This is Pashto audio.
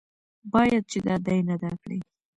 باید چې دا دین ادا کړي.